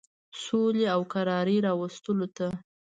سولي او کراري راوستلو ته.